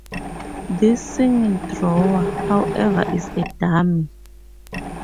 This single drawer, however, is a dummy.